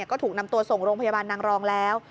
ก็ถูกนำตัวส่งโรงพยาบาลนางรองแล้ว